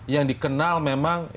yang dikenal memang